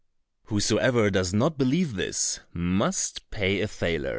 Whosoever does not believe this, must pay a thaler.